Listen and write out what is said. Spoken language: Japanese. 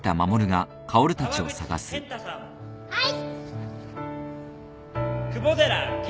はい。